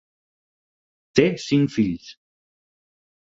Té cinc fills.